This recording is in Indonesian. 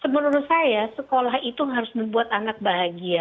menurut saya sekolah itu harus membuat anak bahagia